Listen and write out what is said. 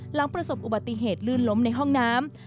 หลังประสบอุบัติเหตุลื่นล้มในห้องน้ำ